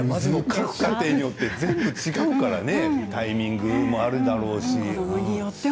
各家庭によって全部違いますからねタイミングもあるだろうし。